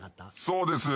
そうです。